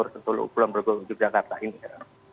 dan tentu belum bergulung di jakarta ini